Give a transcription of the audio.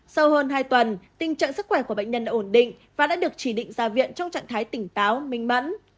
sau hơn hai tuần tình trạng sức khỏe của bệnh nhân ổn định và đã được chỉ định ra viện trong trạng thái tỉnh táo minh mẫn